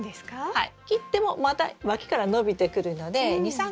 はい。